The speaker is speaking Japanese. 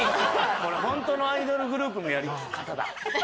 これホントのアイドルグループのやり方だ。